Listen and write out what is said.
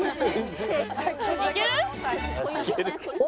いける？